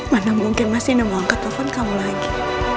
mana mungkin masih enggak mau angkat telepon kamu lagi